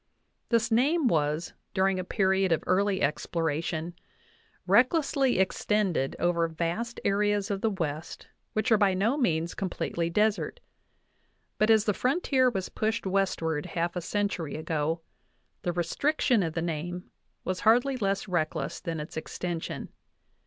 This name was, during a period of early exploration, recklessly extended over vast areas of the West which are by no means completely desert; but as the frontier was pushed westward half a century ago, the restriction of the name was hardly less reckless than its extension.